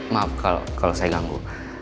maaf kalau saya ganggu